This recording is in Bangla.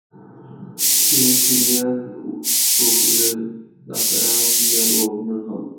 তিনি সিরিয়ান উপকূলের লাতাকিয়ার গভর্নর হন।